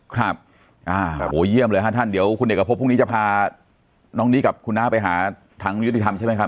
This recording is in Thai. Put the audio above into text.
ครับอ่าโอ้โหเยี่ยมเลยฮะท่านเดี๋ยวคุณเอกพบพรุ่งนี้จะพาน้องนี้กับคุณน้าไปหาทางยุติธรรมใช่ไหมครับ